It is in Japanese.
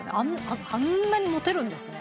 あんなに持てるんですね。